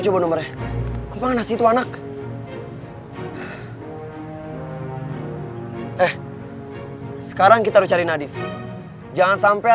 coba nomornya kemana nasi itu anak eh sekarang kita cari nadif jangan sampai